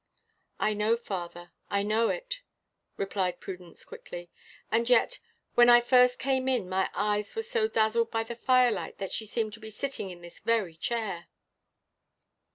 "I know, father, I know it," replied Prudence quickly. "And yet, when I first came in, my eyes were so dazzled by the firelight that she seemed to be sitting in this very chair!"